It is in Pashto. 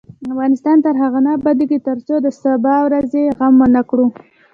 افغانستان تر هغو نه ابادیږي، ترڅو د سبا ورځې غم ونکړو.